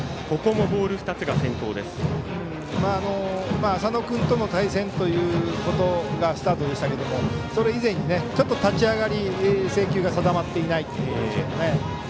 今、浅野君との対戦というスタートでしたけどもそれ以前に、ちょっと立ち上がり制球が定まっていないという。